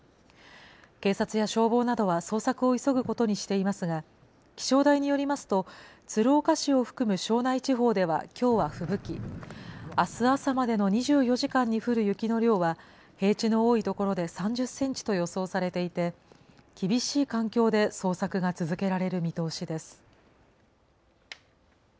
警察や消防などは捜索を急ぐことにしていますが、気象台によりますと、鶴岡市を含む庄内地方ではきょうはふぶき、あす朝までの２４時間に降る雪の量は平地の多い所で３０センチと予想されていて、厳しい環境で捜索が続けられる見通しです。